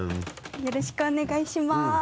よろしくお願いします。